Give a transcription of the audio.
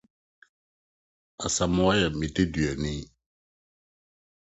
Asamoah yɛ me deduani.